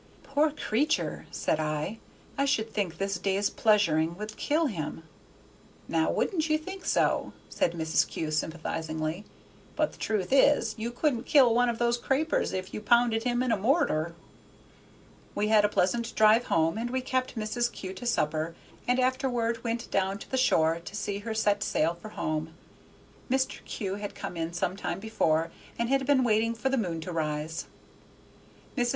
"Poor creature!" said I, "I should think this day's pleasuring would kill him." "Now, wouldn't you think so?" said Mrs. Kew, sympathizingly; "but the truth is, you couldn't kill one of those Crapers if you pounded him in a mortar." We had a pleasant drive home, and we kept Mrs. Kew to supper, and afterward went down to the shore to see her set sail for home. Mr. Kew had come in some time before, and had been waiting for the moon to rise. Mrs.